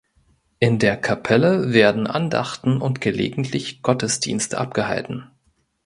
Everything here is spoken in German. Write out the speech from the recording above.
In der Kapelle werden Andachten und gelegentlich Gottesdienste abgehalten.